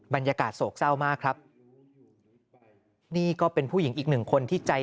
บรรยากาศโศกเศร้ามากครับนี่ก็เป็นผู้หญิงอีกหนึ่งคนที่ใจ